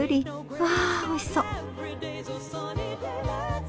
わおいしそう！